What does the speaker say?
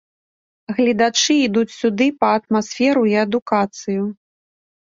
Гледачы ідуць сюды па атмасферу і адукацыю.